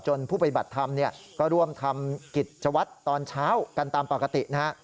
จนผู้ปฏิบัติธรรมก็ร่วมทำกิจจะวัดตอนเช้ากันตามปกติ